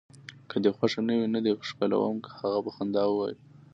که دي خوښه نه وي، نه دي ښکلوم. هغه په خندا وویل.